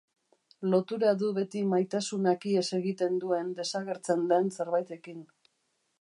Lotura du beti maitasunak ihes egiten duen, desagertzen den zerbaitekin.